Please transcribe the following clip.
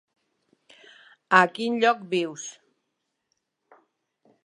A quin lloc vius?